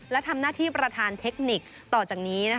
และทำหน้าที่ประธานเทคนิคต่อจากนี้